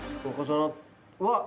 うわっ！